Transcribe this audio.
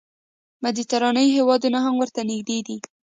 مدیترانې هېوادونه هم ورته نږدې دي.